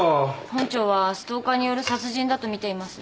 本庁はストーカーによる殺人だと見ています。